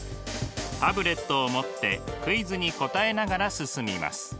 タブレットを持ってクイズに答えながら進みます。